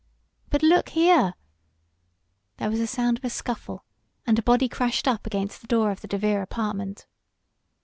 "But look here " There was a sound of a scuffle, and a body crashed up against the door of the DeVere apartment.